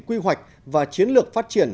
quy hoạch và chiến lược phát triển